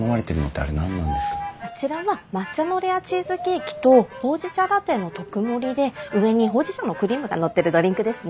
あちらは抹茶のレアチーズケーキとほうじ茶ラテの特盛りで上にほうじ茶のクリームがのってるドリンクですね。